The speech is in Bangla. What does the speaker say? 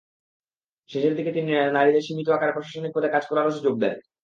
শেষের দিকে তিনি নারীদের সীমিত আকারে প্রশাসনিক পদে কাজ করারও সুযোগ দেন।